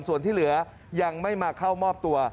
ส่วนที่เหลือยังไม่มาเข้ามอบตัว